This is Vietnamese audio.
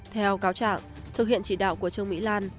theo cáo trạng thực hiện chỉ đạo của trương mỹ lan